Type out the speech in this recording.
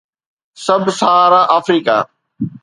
sub Sahara Africa